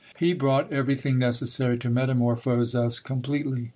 He brought everything necessary to metamorphose us completely.